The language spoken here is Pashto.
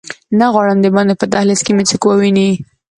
نه غواړم دباندې په دهلېز کې مې څوک وویني.